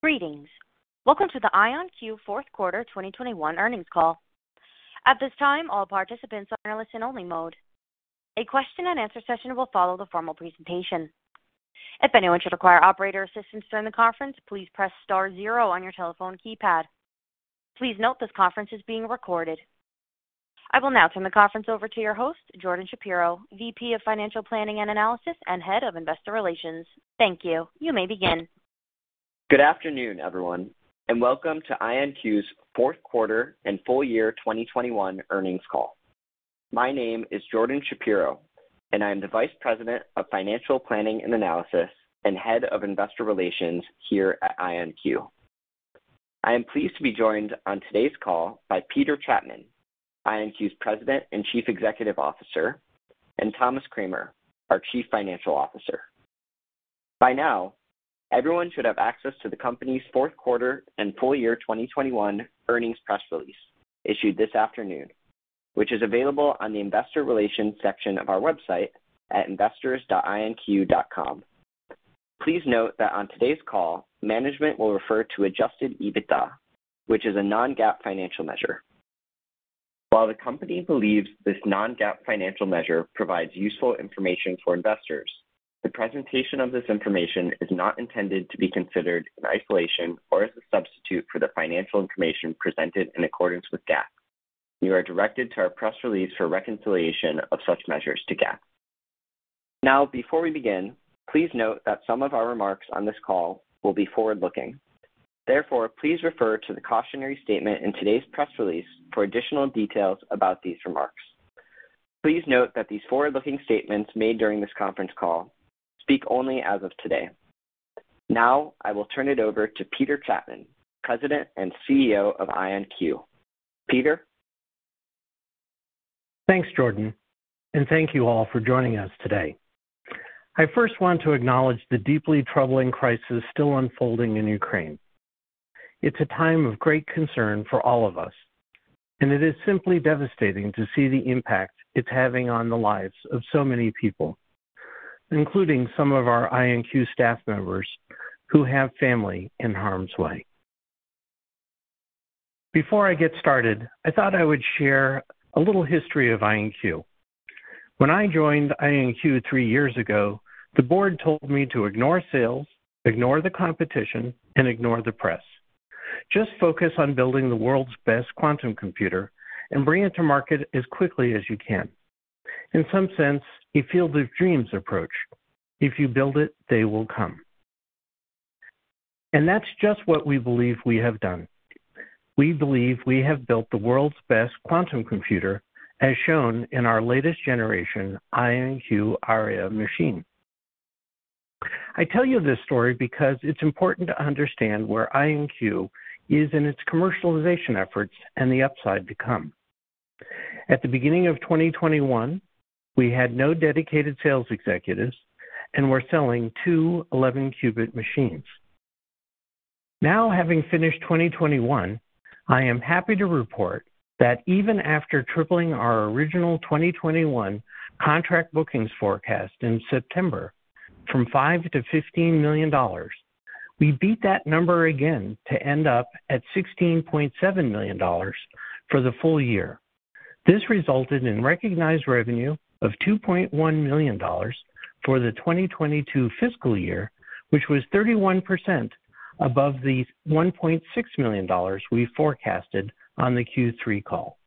Greetings. Welcome to the IonQ fourth quarter 2021 earnings call. At this time, all participants are in a listen-only mode. A question and answer session will follow the formal presentation. If anyone should require operator assistance during the conference, please press star zero on your telephone keypad. Please note this conference is being recorded. I will now turn the conference over to your host, Jordan Shapiro, VP of Financial Planning and Analysis and Head of Investor Relations. Thank you. You may begin. Good afternoon, everyone, and welcome to IonQ's fourth quarter and full year 2021 earnings call. My name is Jordan Shapiro, and I am the Vice President of Financial Planning and Analysis and Head of Investor Relations here at IonQ. I am pleased to be joined on today's call by Peter Chapman, IonQ's President and Chief Executive Officer, and Thomas Kramer, our Chief Financial Officer. By now, everyone should have access to the company's fourth quarter and full year 2021 earnings press release issued this afternoon, which is available on the investor relations section of our website at investors.ionq.com. Please note that on today's call, management will refer to Adjusted EBITDA, which is a non-GAAP financial measure. While the company believes this non-GAAP financial measure provides useful information for investors, the presentation of this information is not intended to be considered in isolation or as a substitute for the financial information presented in accordance with GAAP. You are directed to our press release for reconciliation of such measures to GAAP. Now, before we begin, please note that some of our remarks on this call will be forward-looking. Therefore, please refer to the cautionary statement in today's press release for additional details about these remarks. Please note that these forward-looking statements made during this conference call speak only as of today. Now I will turn it over to Peter Chapman, President and CEO of IonQ. Peter? Thanks, Jordan, and thank you all for joining us today. I first want to acknowledge the deeply troubling crisis still unfolding in Ukraine. It's a time of great concern for all of us, and it is simply devastating to see the impact it's having on the lives of so many people, including some of our IonQ staff members who have family in harm's way. Before I get started, I thought I would share a little history of IonQ. When I joined IonQ three years ago, the board told me to ignore sales, ignore the competition, and ignore the press. Just focus on building the world's best quantum computer and bring it to market as quickly as you can. In some sense, a field of dreams approach. If you build it, they will come. That's just what we believe we have done. We believe we have built the world's best quantum computer, as shown in our latest generation IonQ Aria machine. I tell you this story because it's important to understand where IonQ is in its commercialization efforts and the upside to come. At the beginning of 2021, we had no dedicated sales executives and were selling two 11-qubit machines. Now having finished 2021, I am happy to report that even after tripling our original 2021 contract bookings forecast in September from $5 million-$15 million, we beat that number again to end up at $16.7 million for the full year. This resulted in recognized revenue of $2.1 million for the 2022 fiscal year, which was 31% above the $1.6 million we forecasted on the Q3 call.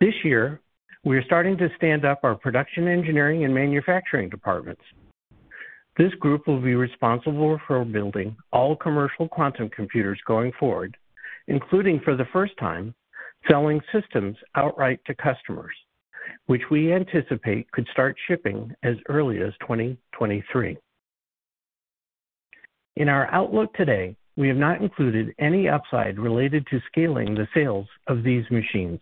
This year, we are starting to stand up our production engineering and manufacturing departments. This group will be responsible for building all commercial quantum computers going forward, including for the first time, selling systems outright to customers, which we anticipate could start shipping as early as 2023. In our outlook today, we have not included any upside related to scaling the sales of these machines.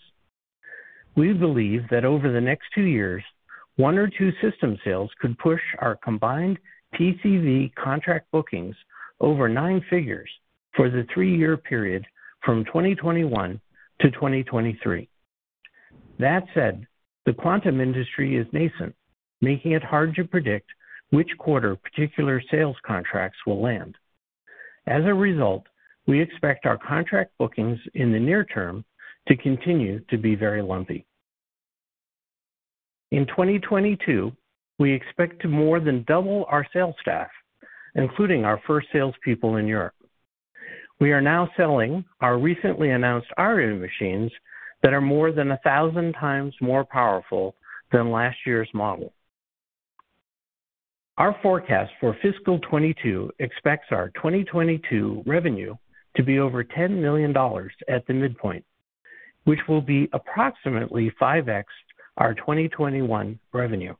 We believe that over the next two years, one or two system sales could push our combined TCV contract bookings over nine figures for the three-year period from 2021 to 2023. That said, the quantum industry is nascent, making it hard to predict which quarter particular sales contracts will land. As a result, we expect our contract bookings in the near term to continue to be very lumpy. In 2022, we expect to more than double our sales staff, including our first salespeople in Europe. We are now selling our recently announced Aria machines that are more than 1000 times more powerful than last year's model. Our forecast for fiscal 2022 expects our 2022 revenue to be over $10 million at the midpoint, which will be approximately 5x our 2021 revenue.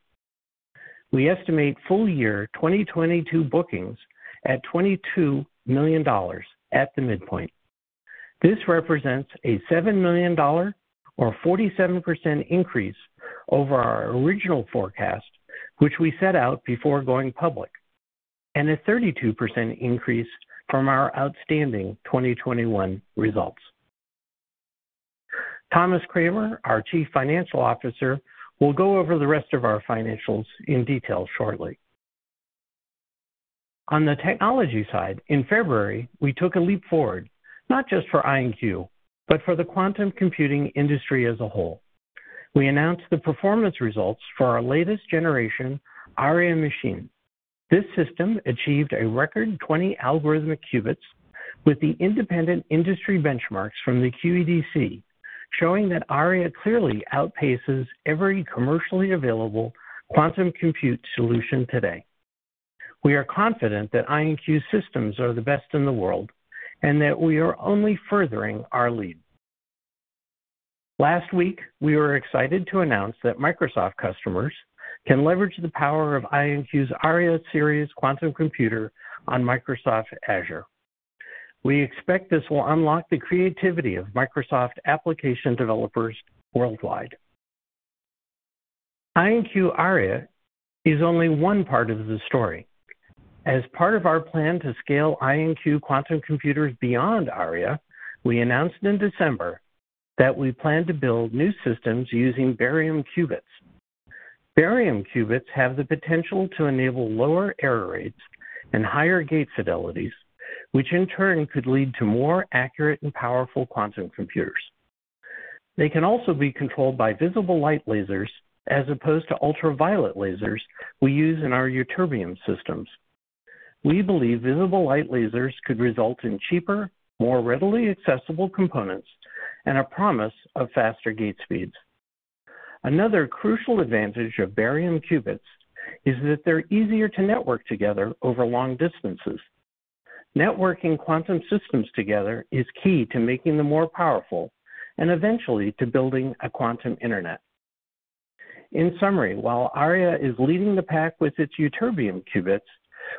We estimate full year 2022 bookings at $22 million at the midpoint. This represents a $7 million or 47% increase over our original forecast, which we set out before going public, and a 32% increase from our outstanding 2021 results. Thomas Kramer, our Chief Financial Officer, will go over the rest of our financials in detail shortly. On the technology side, in February, we took a leap forward, not just for IonQ, but for the quantum computing industry as a whole. We announced the performance results for our latest generation Aria machine. This system achieved a record 20 algorithmic qubits with the independent industry benchmarks from the QED-C, showing that Aria clearly outpaces every commercially available quantum computing solution today. We are confident that IonQ systems are the best in the world, and that we are only furthering our lead. Last week, we were excited to announce that Microsoft customers can leverage the power of IonQ's Aria series quantum computer on Microsoft Azure. We expect this will unlock the creativity of Microsoft application developers worldwide. IonQ Aria is only one part of the story. As part of our plan to scale IonQ quantum computers beyond Aria, we announced in December that we plan to build new systems using barium qubits. Barium qubits have the potential to enable lower error rates and higher gate fidelities, which in turn could lead to more accurate and powerful quantum computers. They can also be controlled by visible light lasers as opposed to ultraviolet lasers we use in our ytterbium systems. We believe visible light lasers could result in cheaper, more readily accessible components and a promise of faster gate speeds. Another crucial advantage of barium qubits is that they're easier to network together over long distances. Networking quantum systems together is key to making them more powerful and eventually to building a quantum internet. In summary, while Aria is leading the pack with its ytterbium qubits,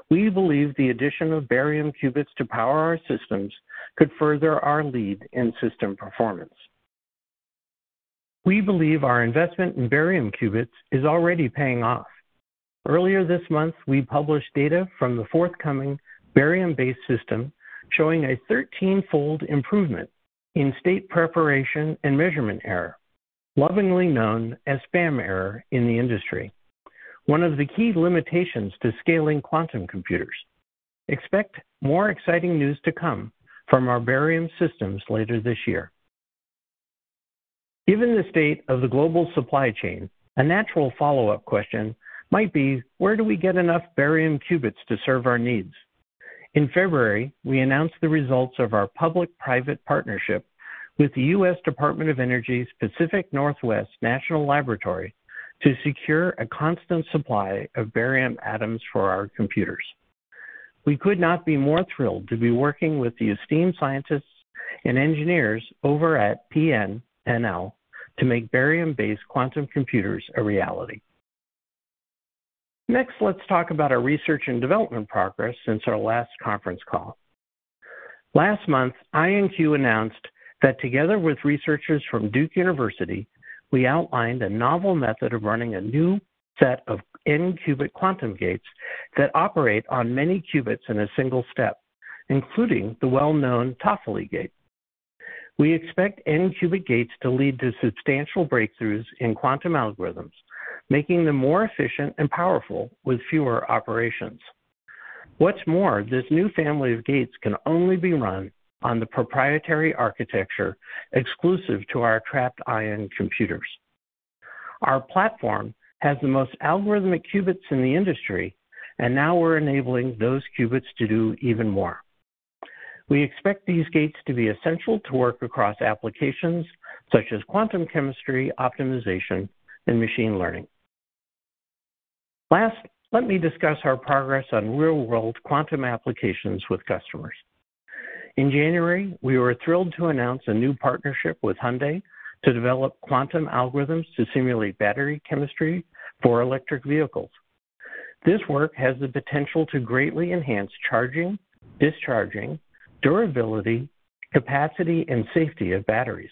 we believe the addition of barium qubits to power our systems could further our lead in system performance. We believe our investment in barium qubits is already paying off. Earlier this month, we published data from the forthcoming barium-based system, showing a 13-fold improvement in state preparation and measurement error, lovingly known as SPAM error in the industry, one of the key limitations to scaling quantum computers. Expect more exciting news to come from our barium systems later this year. Given the state of the global supply chain, a natural follow-up question might be, where do we get enough barium qubits to serve our needs? In February, we announced the results of our public-private partnership with the U.S. Department of Energy's Pacific Northwest National Laboratory to secure a constant supply of barium atoms for our computers. We could not be more thrilled to be working with the esteemed scientists and engineers over at PNNL to make barium-based quantum computers a reality. Next, let's talk about our research and development progress since our last conference call. Last month, IonQ announced that together with researchers from Duke University, we outlined a novel method of running a new set of N-qubit quantum gates that operate on many qubits in a single step, including the well-known Toffoli gate. We expect N-qubit gates to lead to substantial breakthroughs in quantum algorithms, making them more efficient and powerful with fewer operations. What's more, this new family of gates can only be run on the proprietary architecture exclusive to our trapped ion computers. Our platform has the most algorithmic qubits in the industry, and now we're enabling those qubits to do even more. We expect these gates to be essential to work across applications such as quantum chemistry, optimization, and machine learning. Last, let me discuss our progress on real-world quantum applications with customers. In January, we were thrilled to announce a new partnership with Hyundai to develop quantum algorithms to simulate battery chemistry for electric vehicles. This work has the potential to greatly enhance charging, discharging, durability, capacity, and safety of batteries.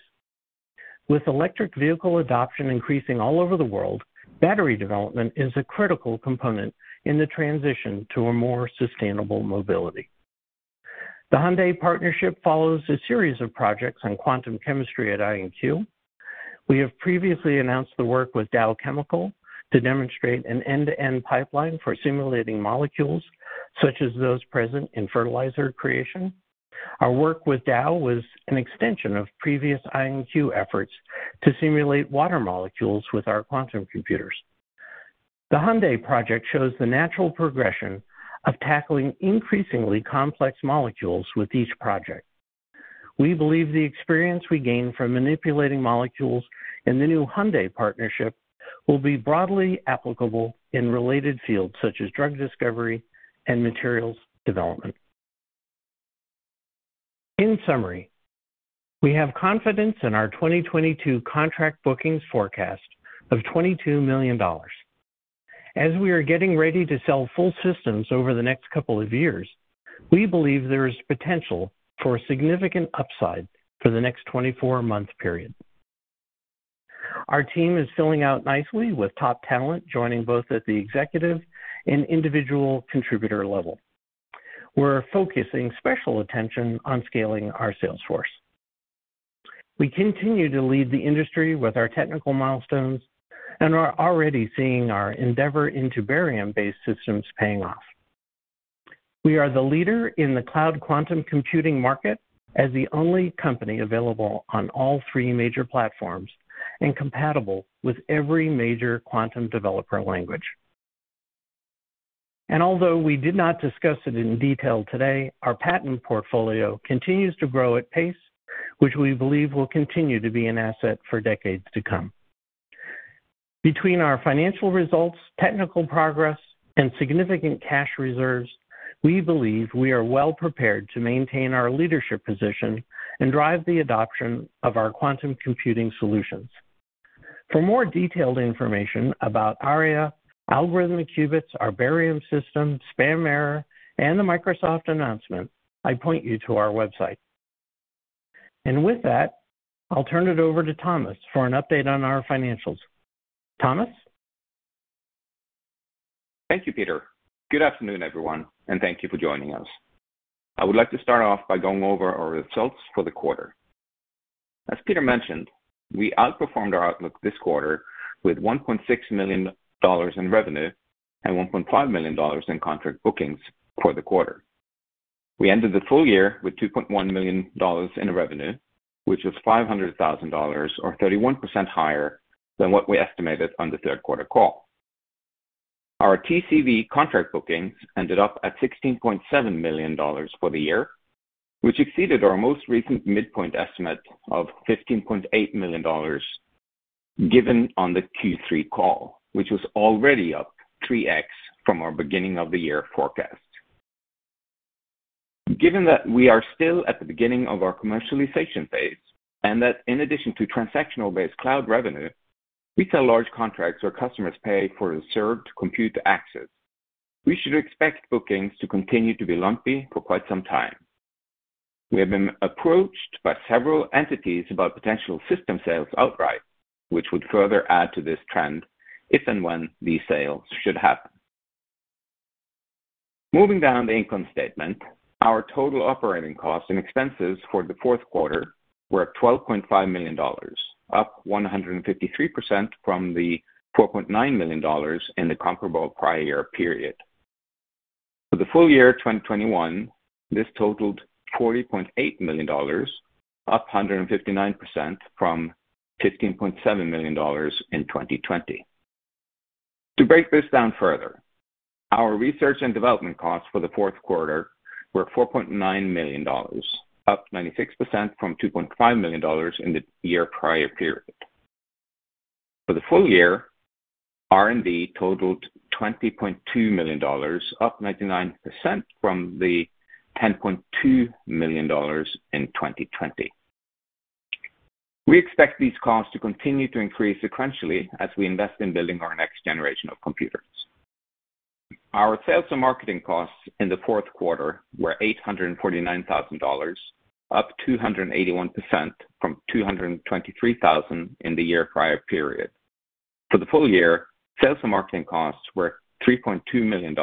With electric vehicle adoption increasing all over the world, battery development is a critical component in the transition to a more sustainable mobility. The Hyundai partnership follows a series of projects on quantum chemistry at IonQ. We have previously announced the work with Dow to demonstrate an end-to-end pipeline for simulating molecules, such as those present in fertilizer creation. Our work with Dow was an extension of previous IonQ efforts to simulate water molecules with our quantum computers. The Hyundai project shows the natural progression of tackling increasingly complex molecules with each project. We believe the experience we gain from manipulating molecules in the new Hyundai partnership will be broadly applicable in related fields such as drug discovery and materials development. In summary, we have confidence in our 2022 contract bookings forecast of $22 million. As we are getting ready to sell full systems over the next couple of years, we believe there is potential for a significant upside for the next 24-month period. Our team is filling out nicely with top talent joining both at the executive and individual contributor level. We're focusing special attention on scaling our sales force. We continue to lead the industry with our technical milestones and are already seeing our endeavor into barium-based systems paying off. We are the leader in the cloud quantum computing market as the only company available on all three major platforms and compatible with every major quantum developer language. Although we did not discuss it in detail today, our patent portfolio continues to grow at a pace, which we believe will continue to be an asset for decades to come. Between our financial results, technical progress, and significant cash reserves, we believe we are well-prepared to maintain our leadership position and drive the adoption of our quantum computing solutions. For more detailed information about Aria, algorithmic qubits, our barium system, SPAM error, and the Microsoft announcement, I point you to our website. With that, I'll turn it over to Thomas for an update on our financials. Thomas? Thank you, Peter. Good afternoon, everyone, and thank you for joining us. I would like to start off by going over our results for the quarter. As Peter mentioned, we outperformed our outlook this quarter with $1.6 million in revenue and $1.5 million in contract bookings for the quarter. We ended the full year with $2.1 million in revenue, which was $500,000 or 31% higher than what we estimated on the third quarter call. Our TCV contract bookings ended up at $16.7 million for the year, which exceeded our most recent midpoint estimate of $15.8 million given on the Q3 call, which was already up 3x from our beginning of the year forecast. Given that we are still at the beginning of our commercialization phase and that in addition to transactional-based cloud revenue, we sell large contracts where customers pay for reserved compute access, we should expect bookings to continue to be lumpy for quite some time. We have been approached by several entities about potential system sales outright, which would further add to this trend if and when these sales should happen. Moving down the income statement, our total operating costs and expenses for the fourth quarter were at $12.5 million, up 153% from the $4.9 million in the comparable prior period. For the full year 2021, this totaled $40.8 million, up 159% from $15.7 million in 2020. To break this down further, our research and development costs for the fourth quarter were $4.9 million, up 96% from $2.5 million in the year prior period. For the full year, R&D totaled $20.2 million, up 99% from $10.2 million in 2020. We expect these costs to continue to increase sequentially as we invest in building our next generation of computers. Our sales and marketing costs in the fourth quarter were $849,000, up 281% from $223,000 in the year prior period. For the full year, sales and marketing costs were $3.2 million,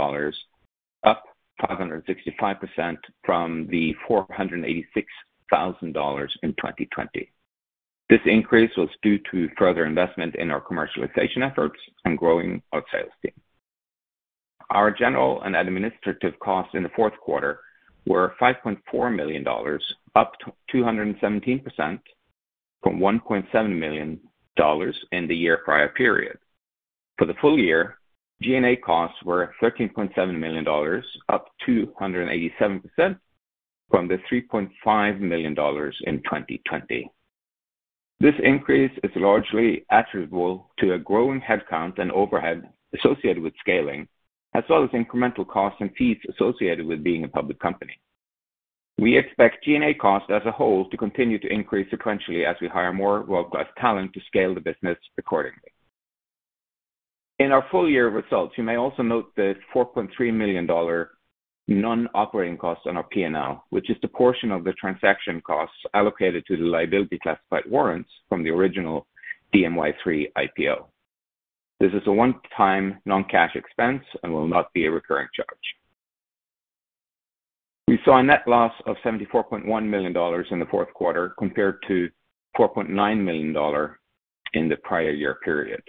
up 565% from $486,000 in 2020. This increase was due to further investment in our commercialization efforts and growing our sales team. Our general and administrative costs in the fourth quarter were $5.4 million, up 217% from $1.7 million in the year prior period. For the full year, G&A costs were $13.7 million, up 287% from the $3.5 million in 2020. This increase is largely attributable to a growing headcount and overhead associated with scaling, as well as incremental costs and fees associated with being a public company. We expect G&A costs as a whole to continue to increase sequentially as we hire more world-class talent to scale the business accordingly. In our full-year results, you may also note the $4.3 million non-operating costs on our P&L, which is the portion of the transaction costs allocated to the liability-classified warrants from the original dMY III IPO. This is a one-time non-cash expense and will not be a recurring charge. We saw a net loss of $74.1 million in the fourth quarter compared to $4.9 million in the prior year period.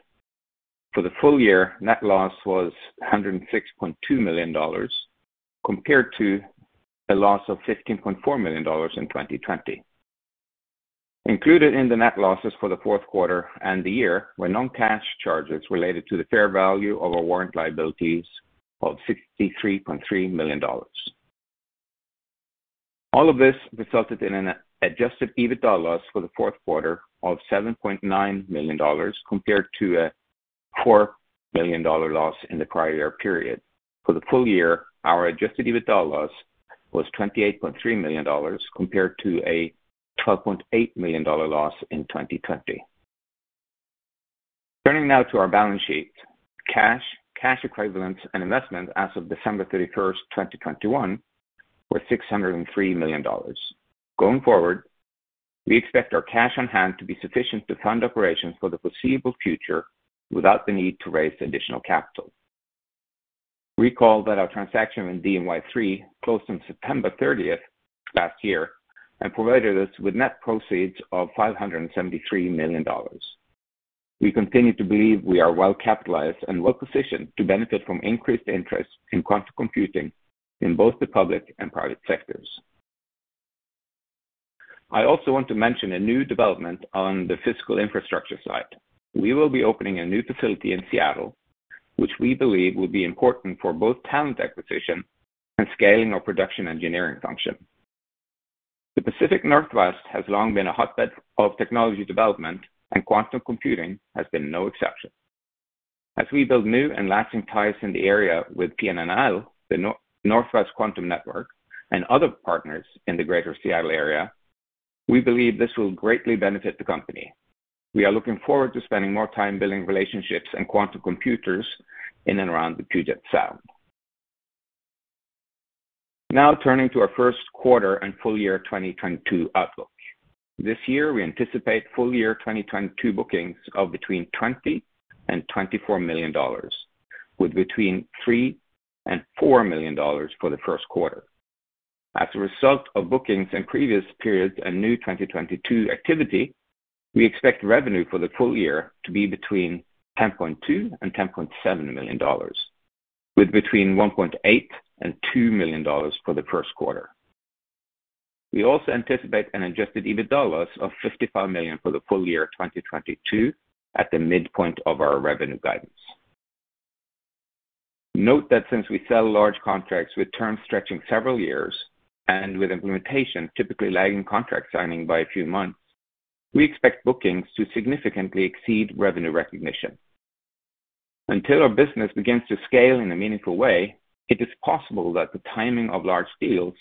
For the full year, net loss was $106.2 million compared to a loss of $15.4 million in 2020. Included in the net losses for the fourth quarter and the year were non-cash charges related to the fair value of our warrant liabilities of $63.3 million. All of this resulted in an Adjusted EBITDA loss for the fourth quarter of $7.9 million compared to a $4 million loss in the prior period. For the full year, our Adjusted EBITDA loss was $28.3 million compared to a $12.8 million loss in 2020. Turning now to our balance sheet. Cash, cash equivalents and investments as of December 31, 2021 were $603 million. Going forward, we expect our cash on hand to be sufficient to fund operations for the foreseeable future without the need to raise additional capital. Recall that our transaction in dMY III closed on September 30 last year and provided us with net proceeds of $573 million. We continue to believe we are well capitalized and well-positioned to benefit from increased interest in quantum computing in both the public and private sectors. I also want to mention a new development on the fiscal infrastructure side. We will be opening a new facility in Seattle, which we believe will be important for both talent acquisition and scaling our production engineering function. The Pacific Northwest has long been a hotbed of technology development, and quantum computing has been no exception. As we build new and lasting ties in the area with PNNL, the Northwest Quantum Nexus and other partners in the Greater Seattle area, we believe this will greatly benefit the company. We are looking forward to spending more time building relationships and quantum computers in and around the Puget Sound. Now turning to our first quarter and full year 2022 outlook. This year we anticipate full year 2022 bookings of between $20 million and $24 million, with between $3 million and $4 million for the first quarter. As a result of bookings in previous periods and new 2022 activity, we expect revenue for the full year to be between $10.2 million and $10.7 million, with between $1.8 million and $2 million for the first quarter. We also anticipate an Adjusted EBITDA loss of $55 million for the full year 2022 at the midpoint of our revenue guidance. Note that since we sell large contracts with terms stretching several years and with implementation typically lagging contract signing by a few months, we expect bookings to significantly exceed revenue recognition. Until our business begins to scale in a meaningful way, it is possible that the timing of large deals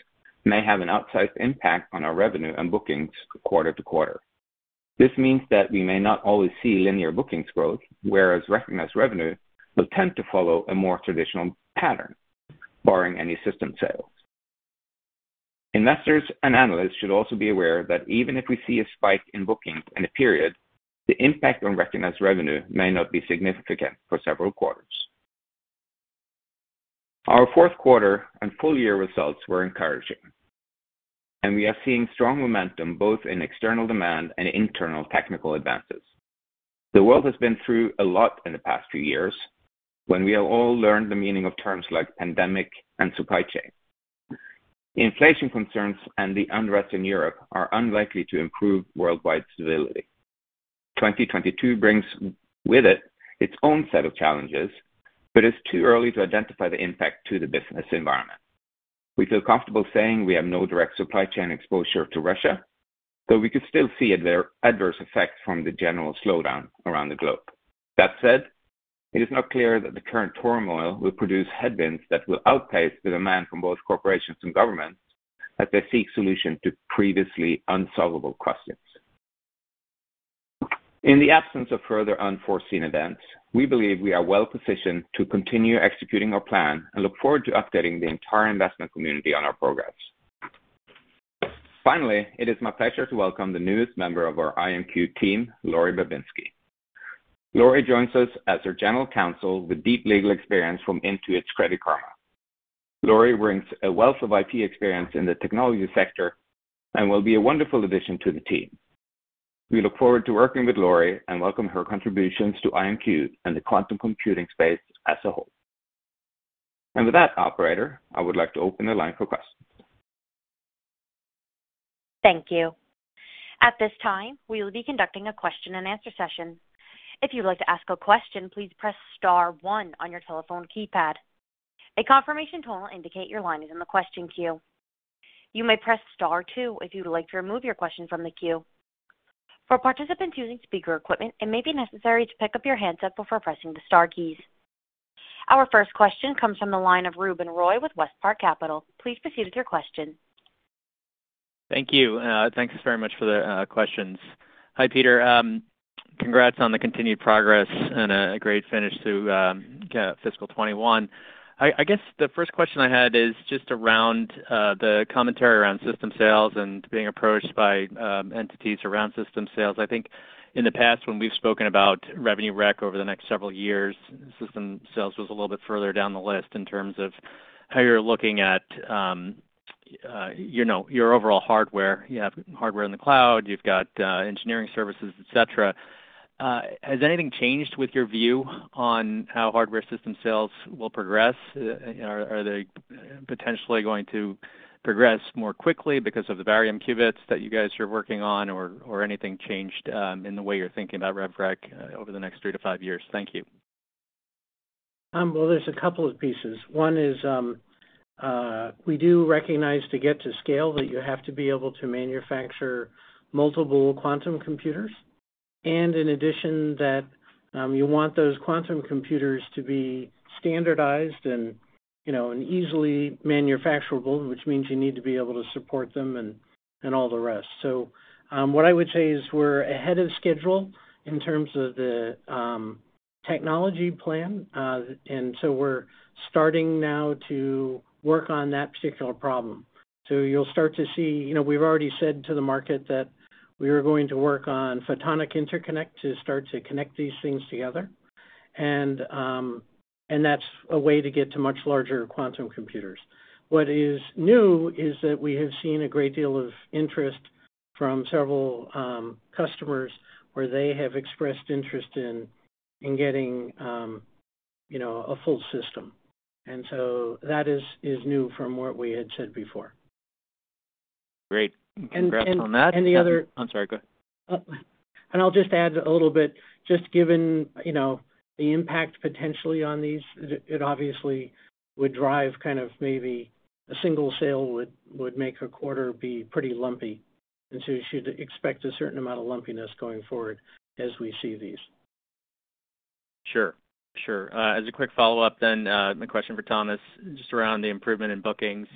may have an outsized impact on our revenue and bookings quarter to quarter. This means that we may not always see linear bookings growth, whereas recognized revenue will tend to follow a more traditional pattern barring any system sales. Investors and analysts should also be aware that even if we see a spike in bookings in a period, the impact on recognized revenue may not be significant for several quarters. Our fourth quarter and full year results were encouraging, and we are seeing strong momentum both in external demand and internal technical advances. The world has been through a lot in the past few years when we have all learned the meaning of terms like pandemic and supply chain. Inflation concerns and the unrest in Europe are unlikely to improve worldwide stability. 2022 brings with it its own set of challenges, but it's too early to identify the impact to the business environment. We feel comfortable saying we have no direct supply chain exposure to Russia, though we could still see adverse effects from the general slowdown around the globe. That said, it is not clear that the current turmoil will produce headwinds that will outpace the demand from both corporations and governments as they seek solutions to previously unsolvable questions. In the absence of further unforeseen events, we believe we are well positioned to continue executing our plan and look forward to updating the entire investment community on our progress. Finally, it is my pleasure to welcome the newest member of our IonQ team, Laurie Babinski. Laurie joins us as our General Counsel with deep legal experience from Intuit's Credit Karma. Laurie brings a wealth of IP experience in the technology sector and will be a wonderful addition to the team. We look forward to working with Laurie and welcome her contributions to IonQ and the quantum computing space as a whole. With that operator, I would like to open the line for questions. Thank you. At this time, we will be conducting a question and answer session. If you'd like to ask a question, please press star one on your telephone keypad. A confirmation tone will indicate your line is in the question queue. You may press star two if you'd like to remove your question from the queue. For participants using speaker equipment, it may be necessary to pick up your handset before pressing the star keys. Our first question comes from the line of Ruben Roy with WestPark Capital. Please proceed with your question. Thank you. Thanks very much for the questions. Hi, Peter. Congrats on the continued progress and a great finish to fiscal 2021. I guess the first question I had is just around the commentary around system sales and being approached by entities around system sales. I think in the past when we've spoken about revenue rec over the next several years, system sales was a little bit further down the list in terms of how you're looking at, you know, your overall hardware. You have hardware in the cloud, you've got engineering services, et cetera. Has anything changed with your view on how hardware system sales will progress? Are they potentially going to progress more quickly because of the barium qubits that you guys are working on or anything changed in the way you're thinking about rev rec over the next three to five years? Thank you. Well, there's a couple of pieces. One is, we do recognize to get to scale that you have to be able to manufacture multiple quantum computers, and in addition that, you want those quantum computers to be standardized and You know, easily manufacturable, which means you need to be able to support them and all the rest. What I would say is we're ahead of schedule in terms of the technology plan. We're starting now to work on that particular problem. You'll start to see. You know, we've already said to the market that we are going to work on photonic interconnect to start to connect these things together. That's a way to get to much larger quantum computers. What is new is that we have seen a great deal of interest from several customers where they have expressed interest in getting you know, a full system. That is new from what we had said before. Great. And, and- Congrats on that. the other- I'm sorry, go ahead. I'll just add a little bit, just given, you know, the impact potentially on these, it obviously would drive kind of maybe a single sale would make a quarter be pretty lumpy. You should expect a certain amount of lumpiness going forward as we see these. Sure. As a quick follow-up then, my question for Thomas, just around the improvement in bookings.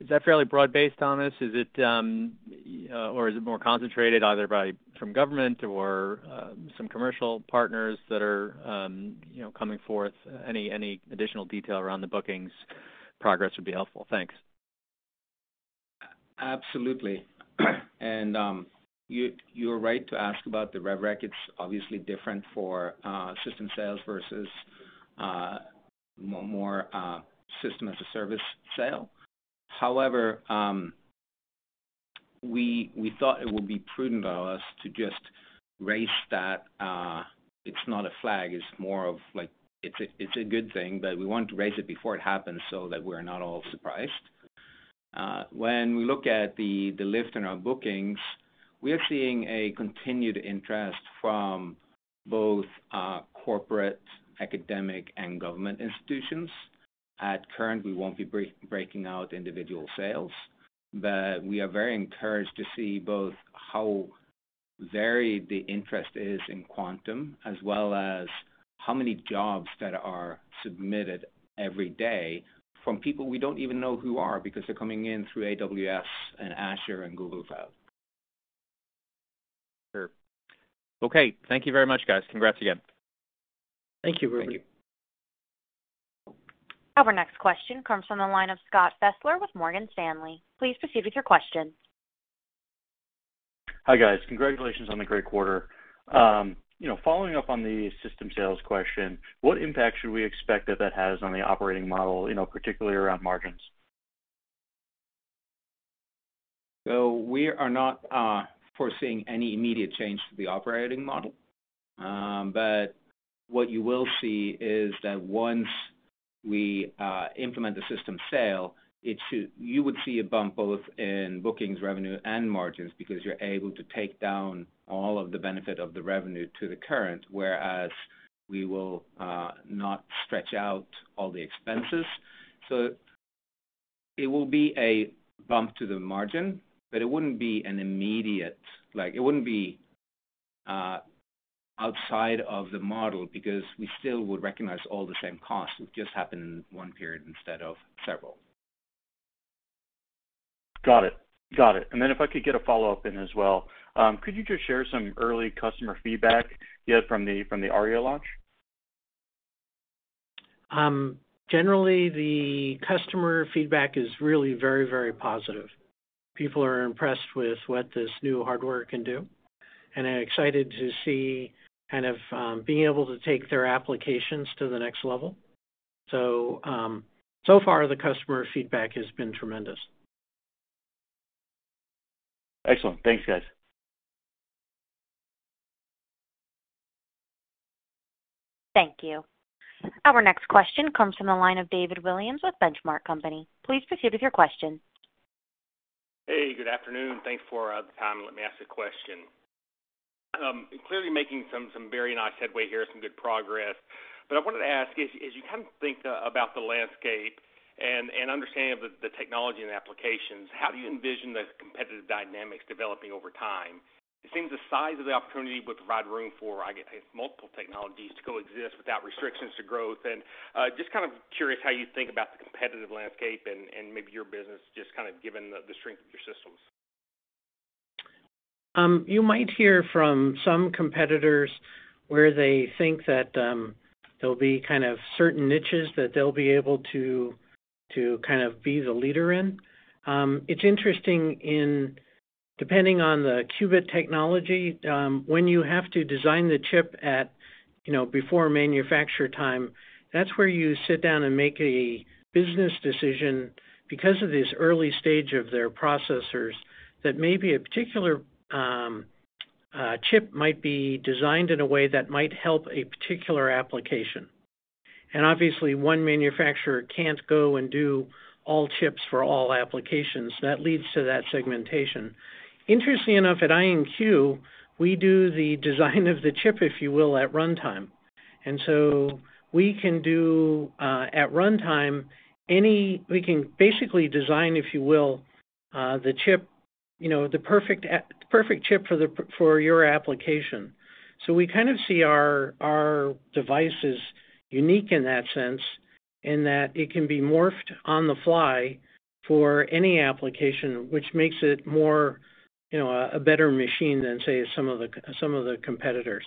Is that fairly broad-based, Thomas? Is it or is it more concentrated either from government or some commercial partners that are, you know, coming forth? Any additional detail around the bookings progress would be helpful. Thanks. Absolutely. You're right to ask about the rev rec. It's obviously different for system sales versus more system as a service sale. However, we thought it would be prudent of us to just raise that. It's not a flag, it's more of like it's a good thing, but we want to raise it before it happens so that we're not all surprised. When we look at the lift in our bookings, we're seeing a continued interest from both corporate, academic, and government institutions. Currently, we won't be breaking out individual sales, but we are very encouraged to see both how varied the interest is in quantum as well as how many jobs that are submitted every day from people we don't even know who are, because they're coming in through AWS and Azure and Google Cloud. Sure. Okay. Thank you very much, guys. Congrats again. Thank you, Rudy. Thank you. Our next question comes from the line of Scott Fessler with Morgan Stanley. Please proceed with your question. Hi, guys. Congratulations on the great quarter. You know, following up on the system sales question, what impact should we expect that has on the operating model, you know, particularly around margins? We are not foreseeing any immediate change to the operating model. What you will see is that once we implement the system sale, you would see a bump both in bookings revenue and margins because you're able to take down all of the benefit of the revenue to the current, whereas we will not stretch out all the expenses. It will be a bump to the margin, but it wouldn't be an immediate. Like, it wouldn't be outside of the model because we still would recognize all the same costs. It just happened in one period instead of several. Got it. If I could get a follow-up in as well. Could you just share some early customer feedback you had from the Aria launch? Generally the customer feedback is really very, very positive. People are impressed with what this new hardware can do, and are excited to see kind of being able to take their applications to the next level. So far the customer feedback has been tremendous. Excellent. Thanks, guys. Thank you. Our next question comes from the line of David Williams with Benchmark Company. Please proceed with your question. Hey, good afternoon. Thanks for the time to let me ask the question. Clearly making some very nice headway here, some good progress. But I wanted to ask is, as you kind of think about the landscape and understanding of the technology and applications, how do you envision the competitive dynamics developing over time? It seems the size of the opportunity would provide room for I guess multiple technologies to coexist without restrictions to growth. Just kind of curious how you think about the competitive landscape and maybe your business just kind of given the strength of your systems. You might hear from some competitors where they think that there'll be kind of certain niches that they'll be able to kind of be the leader in. It's interesting depending on the qubit technology when you have to design the chip, you know, before manufacture time. That's where you sit down and make a business decision because of this early stage of their processors that maybe a particular chip might be designed in a way that might help a particular application. Obviously one manufacturer can't go and do all chips for all applications. That leads to that segmentation. Interestingly enough, at IonQ, we do the design of the chip, if you will, at runtime. We can do at runtime. We can basically design, if you will, the chip. You know, the perfect chip for your application. We kind of see our devices unique in that sense, in that it can be morphed on the fly for any application, which makes it more, you know, a better machine than, say, some of the competitors.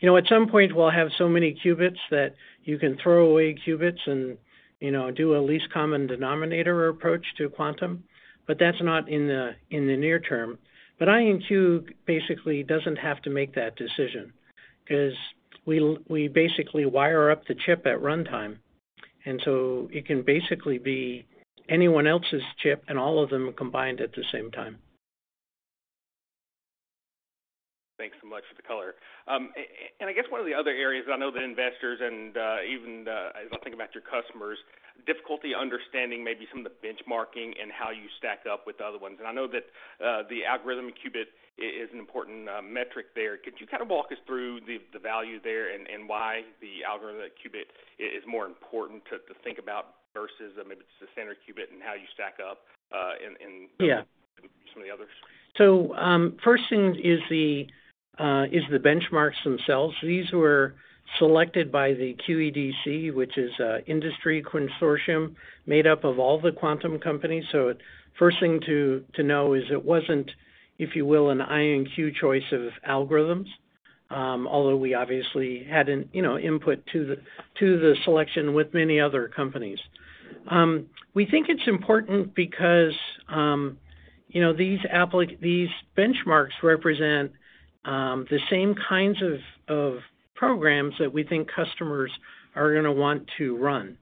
You know, at some point we'll have so many qubits that you can throw away qubits and, you know, do a least common denominator approach to quantum, but that's not in the near term. IonQ basically doesn't have to make that decision because we basically wire up the chip at runtime, and so it can basically be anyone else's chip and all of them combined at the same time. Thanks so much for the color. And I guess one of the other areas I know that investors and, as I think about your customers' difficulty understanding maybe some of the benchmarking and how you stack up with the other ones. I know that the algorithmic qubit is an important metric there. Could you kind of walk us through the value there and why the algorithmic qubit is more important to think about versus maybe just the standard qubit and how you stack up in Yeah some of the others. First thing is the benchmarks themselves. These were selected by the QED-C, which is an industry consortium made up of all the quantum companies. First thing to know is it wasn't, if you will, an IonQ choice of algorithms, although we obviously had, you know, input to the selection with many other companies. We think it's important because, you know, these benchmarks represent the same kinds of programs that we think customers are gonna want to run.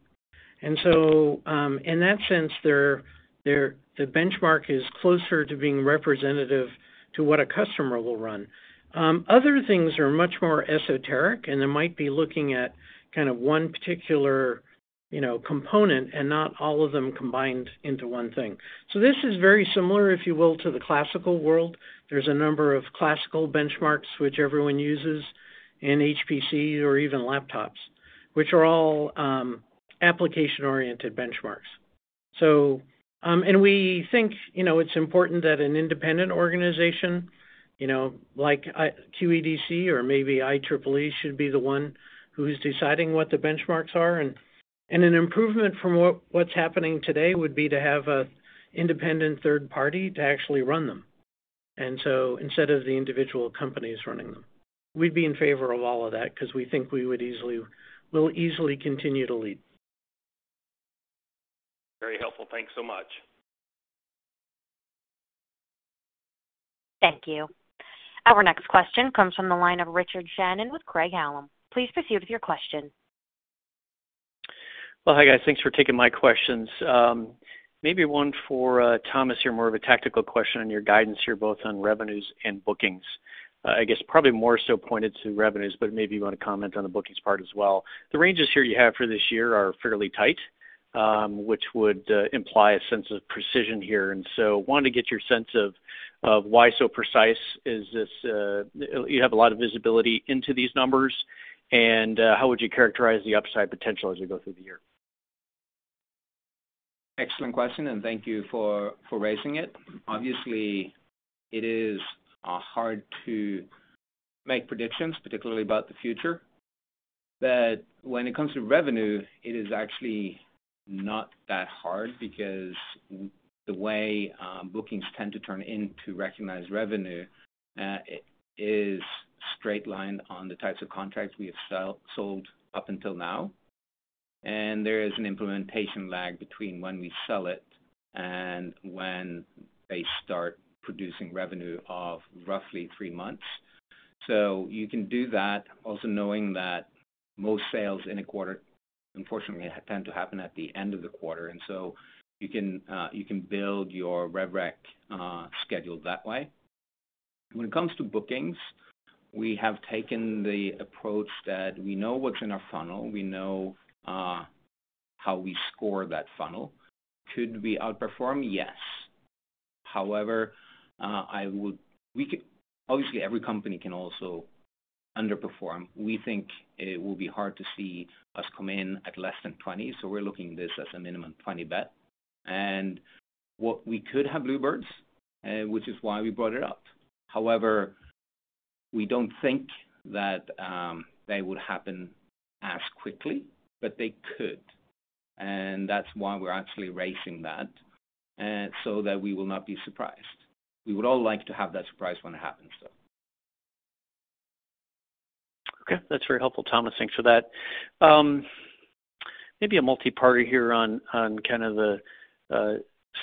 In that sense, they're the benchmark is closer to being representative to what a customer will run. Other things are much more esoteric, and they might be looking at kind of one particular, you know, component and not all of them combined into one thing. This is very similar, if you will, to the classical world. There's a number of classical benchmarks which everyone uses in HPC or even laptops, which are all application-oriented benchmarks. We think, you know, it's important that an independent organization, you know, like QED-C or maybe IEEE should be the one who's deciding what the benchmarks are. An improvement from what's happening today would be to have an independent third party to actually run them. Instead of the individual companies running them, we'd be in favor of all of that because we think we'll easily continue to lead. Very helpful. Thanks so much. Thank you. Our next question comes from the line of Richard Shannon with Craig-Hallum. Please proceed with your question. Well, hi guys. Thanks for taking my questions. Maybe one for Thomas here, more of a tactical question on your guidance here, both on revenues and bookings. I guess probably more so pointed to revenues, but maybe you want to comment on the bookings part as well. The ranges here you have for this year are fairly tight, which would imply a sense of precision here. Wanted to get your sense of why so precise. Is this you have a lot of visibility into these numbers? How would you characterize the upside potential as we go through the year? Excellent question, and thank you for raising it. Obviously, it is hard to make predictions, particularly about the future, but when it comes to revenue, it is actually not that hard because the way bookings tend to turn into recognized revenue is straight lined on the types of contracts we have sold up until now. There is an implementation lag between when we sell it and when they start producing revenue of roughly three months. You can do that also knowing that most sales in a quarter unfortunately tend to happen at the end of the quarter. You can build your rev rec schedule that way. When it comes to bookings, we have taken the approach that we know what's in our funnel. We know how we score that funnel. Could we outperform? Yes. However, obviously every company can also underperform. We think it will be hard to see us come in at less than 20, so we're looking at this as a minimum 20 bet. What we could have bluebirds, which is why we brought it up. However, we don't think that they would happen as quickly, but they could. That's why we're actually raising that, so that we will not be surprised. We would all like to have that surprise when it happens, though. Okay. That's very helpful, Thomas. Thanks for that. Maybe a multi-part here on kind of the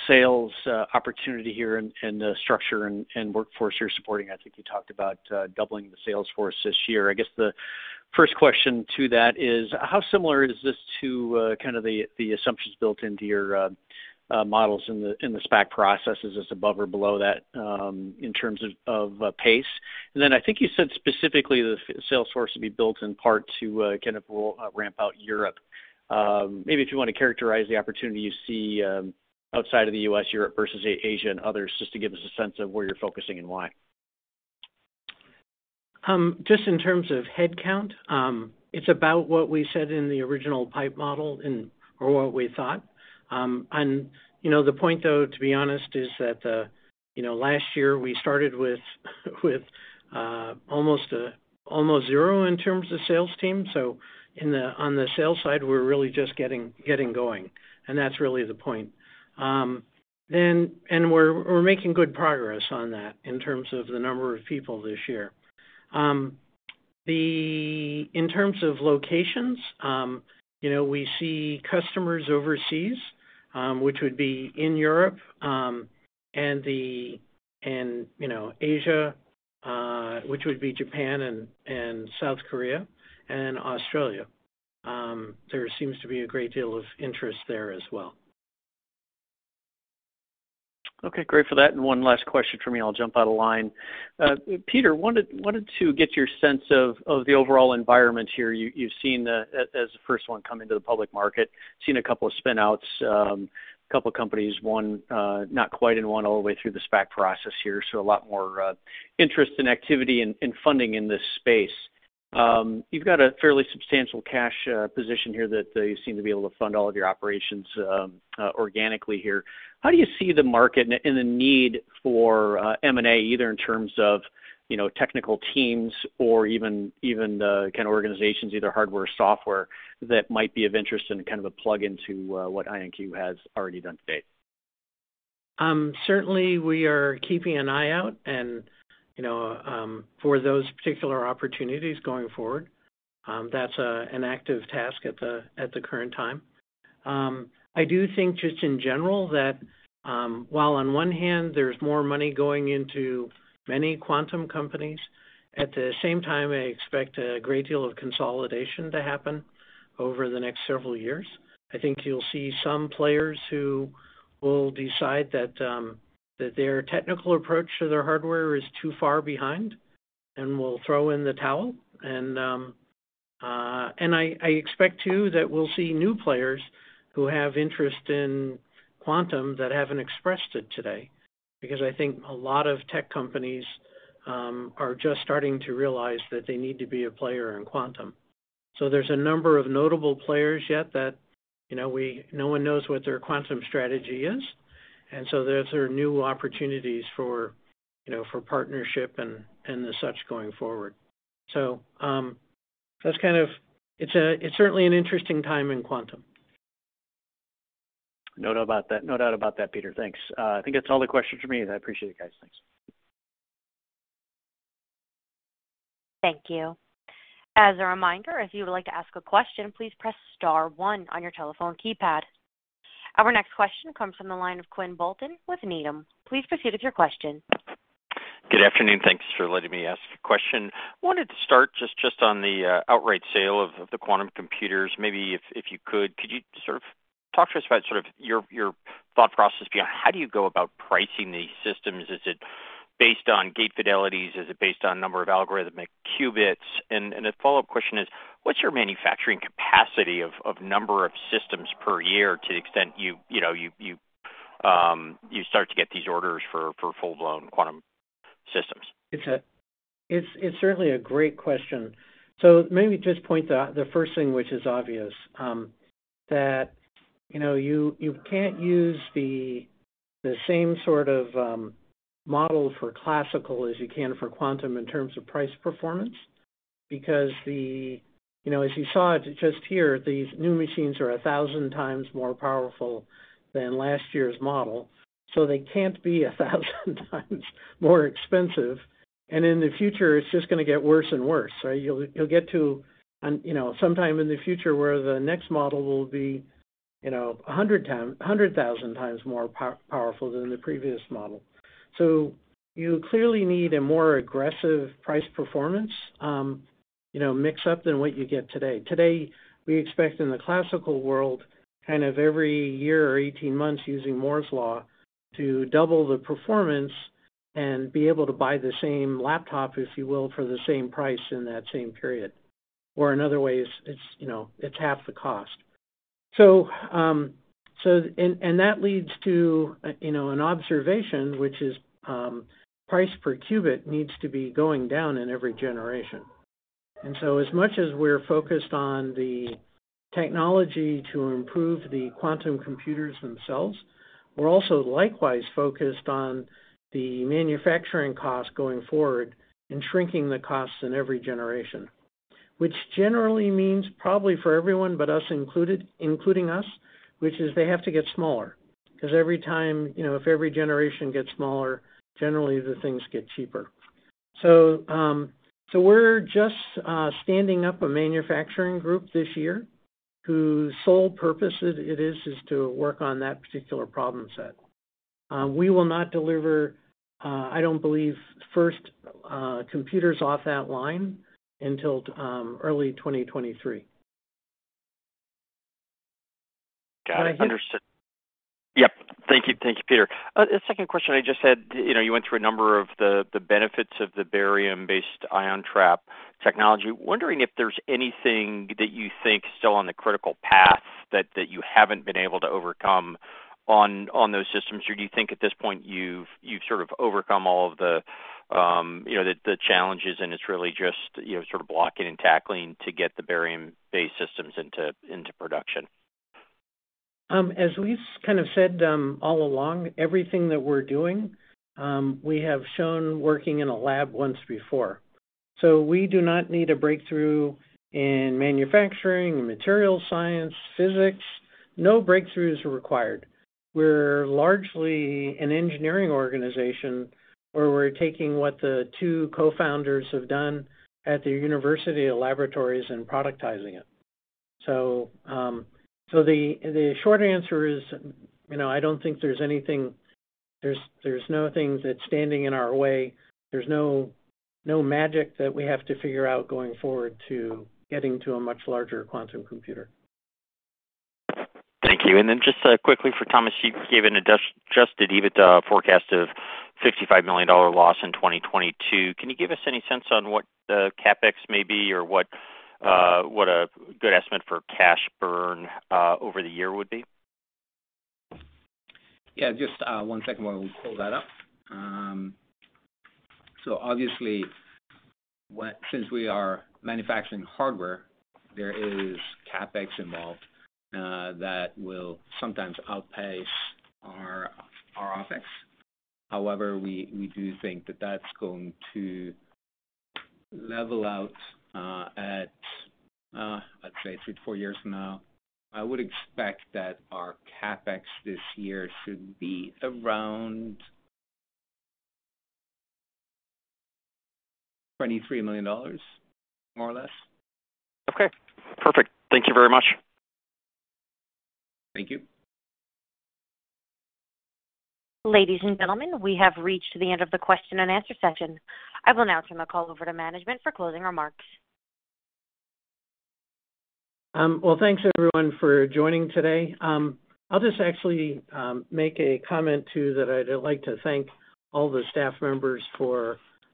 sales opportunity here and the structure and workforce you're supporting. I think you talked about doubling the sales force this year. I guess the first question to that is, how similar is this to kind of the assumptions built into your models in the SPAC process? Is this above or below that, in terms of pace? Then I think you said specifically the sales force would be built in part to kind of ramp out Europe. Maybe if you wanna characterize the opportunity you see, outside of the U.S., Europe versus Asia and others, just to give us a sense of where you're focusing and why. Just in terms of head count, it's about what we said in the original pipeline model or what we thought. You know, the point though, to be honest, is that, you know, last year we started with almost zero in terms of sales team. On the sales side, we're really just getting going, and that's really the point. And we're making good progress on that in terms of the number of people this year. In terms of locations, you know, we see customers overseas, which would be in Europe and, you know, Asia, which would be Japan and South Korea and Australia. There seems to be a great deal of interest there as well. Okay. Great for that. One last question for me, I'll jump out of line. Peter, I wanted to get your sense of the overall environment here. You've seen, as the first one coming to the public market, a couple of spinouts, a couple companies, one not quite in, one all the way through the SPAC process here. A lot more interest and activity and funding in this space. You've got a fairly substantial cash position here that you seem to be able to fund all of your operations organically here. How do you see the market and the need for M&A, either in terms of, you know, technical teams or even kind of organizations, either hardware or software, that might be of interest in kind of a plug into what IonQ has already done to date? Certainly we are keeping an eye out and, you know, for those particular opportunities going forward. That's an active task at the current time. I do think just in general that, while on one hand there's more money going into many quantum companies, at the same time, I expect a great deal of consolidation to happen over the next several years. I think you'll see some players who will decide that their technical approach to their hardware is too far behind and will throw in the towel. I expect too, that we'll see new players who have interest in quantum that haven't expressed it today, because I think a lot of tech companies are just starting to realize that they need to be a player in quantum. There's a number of notable players yet that, you know, no one knows what their quantum strategy is, and so those are new opportunities for, you know, for partnership and the such going forward. That's kind of it. It's certainly an interesting time in quantum. No doubt about that. No doubt about that, Peter. Thanks. I think that's all the questions from me. I appreciate it, guys. Thanks. Thank you. As a reminder, if you would like to ask a question, please press star one on your telephone keypad. Our next question comes from the line of Quinn Bolton with Needham. Please proceed with your question. Good afternoon. Thanks for letting me ask a question. I wanted to start just on the outright sale of the quantum computers. Maybe if you could, you sort of talk to us about sort of your thought process behind how do you go about pricing these systems? Is it based on gate fidelities? Is it based on number of algorithmic qubits? And a follow-up question is, what's your manufacturing capacity of number of systems per year to the extent you know, you start to get these orders for full-blown quantum systems? It's certainly a great question. Let me just point the first thing, which is obvious, that you know you can't use the same sort of model for classical as you can for quantum in terms of price performance because as you saw just here, these new machines are 1000x more powerful than last year's model, so they can't be 1000x more expensive. In the future, it's just gonna get worse and worse, right? You'll get to a you know sometime in the future where the next model will be you know 100,000x more powerful than the previous model. You clearly need a more aggressive price performance mix up than what you get today. Today, we expect in the classical world, kind of every year or 18 months, using Moore's Law, to double the performance and be able to buy the same laptop, if you will, for the same price in that same period. Another way is it's, you know, it's half the cost. That leads to, you know, an observation, which is, price per qubit needs to be going down in every generation. As much as we're focused on the technology to improve the quantum computers themselves, we're also likewise focused on the manufacturing cost going forward and shrinking the costs in every generation. Which generally means, probably for everyone but us included, including us, which is they have to get smaller. 'Cause every time, you know, if every generation gets smaller, generally the things get cheaper. We're just standing up a manufacturing group this year whose sole purpose it is to work on that particular problem set. We will not deliver, I don't believe, first computers off that line until early 2023. Got it. Understood. What's that? Yep. Thank you. Thank you, Peter. A second question. I just had. You know, you went through a number of the benefits of the barium-based ion trap technology. Wondering if there's anything that you think still on the critical path that you haven't been able to overcome on those systems? Or do you think at this point you've sort of overcome all of the, you know, the challenges and it's really just, you know, sort of blocking and tackling to get the barium-based systems into production? As we've kind of said all along, everything that we're doing, we have shown working in a lab once before. We do not need a breakthrough in manufacturing, in materials science, physics. No breakthroughs are required. We're largely an engineering organization where we're taking what the two co-founders have done at the university laboratories and productizing it. The short answer is, you know, I don't think there's anything. There's nothing that's standing in our way. There's no magic that we have to figure out going forward to getting to a much larger quantum computer. Thank you. Just quickly for Thomas, you gave an Adjusted EBITDA forecast of $55 million loss in 2022. Can you give us any sense on what CapEx may be or what a good estimate for cash burn over the year would be? Yeah, just one second while we pull that up. Obviously since we are manufacturing hardware, there is CapEx involved that will sometimes outpace our OpEx. However, we do think that that's going to level out at I'd say 3-4 years from now. I would expect that our CapEx this year should be around $23 million, more or less. Okay. Perfect. Thank you very much. Thank you. Ladies and gentlemen, we have reached the end of the question and answer session. I will now turn the call over to management for closing remarks. Well, thanks everyone for joining today. I'll just actually make a comment too that I'd like to thank all the staff members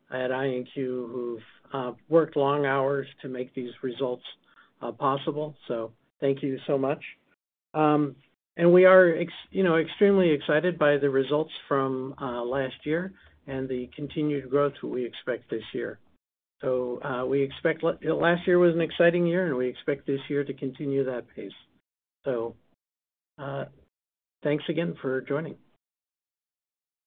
at IonQ who've worked long hours to make these results possible. Thank you so much. We are, you know, extremely excited by the results from last year and the continued growth we expect this year. Last year was an exciting year, and we expect this year to continue that pace. Thanks again for joining.